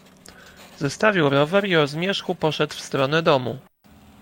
"Zostawił rower i o zmierzchu poszedł w stronę domu."